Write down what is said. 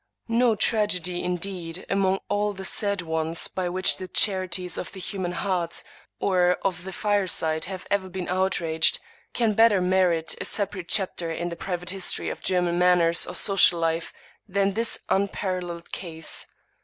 No tragedy, in deed, among all the sad ones by which the charities of the human heart or of the fireside have ever been outraged, can better merit a separate chapter in the private history of German manners or social life than this unparalleled case.